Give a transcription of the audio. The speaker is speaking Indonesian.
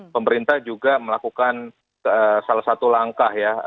pemerintah juga melakukan salah satu langkah ya